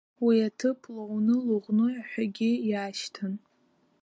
Уи аҭыԥ Лоуны, Лоӷәны ҳәагьы иашьҭан.